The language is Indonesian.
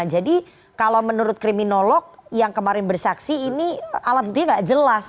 jadi kalau menurut kriminolog yang kemarin bersaksi ini alat buktinya tidak jelas